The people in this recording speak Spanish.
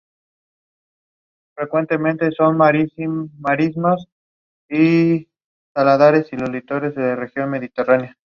El casco urbano se encuentra rodeado por eras, huertos y tierras de labor.